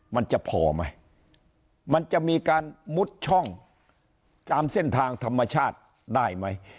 มันจะพอไหมมันจะมีการมุดช่องตามเส้นทางธรรมชาติได้ไหม